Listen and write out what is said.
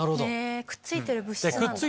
くっついてる物質なんだ。